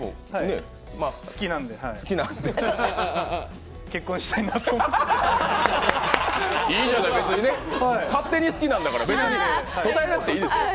好きなんで結婚したいなと思って勝手に好きなんだから応えなくていいですよ。